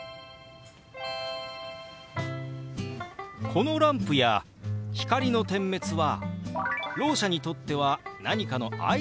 このランプや光の点滅はろう者にとっては何かの合図になるんでしたね。